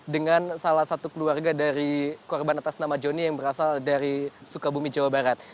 dengan salah satu keluarga dari korban atas nama joni yang berasal dari sukabumi jawa barat